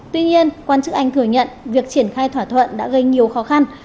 tuy nhiên quan chức anh thừa nhận việc triển khai thỏa thuận đã gây nhiều khó khăn